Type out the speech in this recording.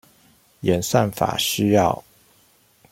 演算法需要